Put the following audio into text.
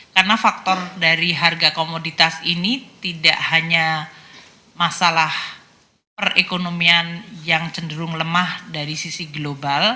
karena faktor dari harga komoditas ini tidak hanya masalah perekonomian yang cenderung lemah dari sisi global